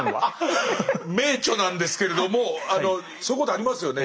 名著なんですけれどもそういうことありますよね。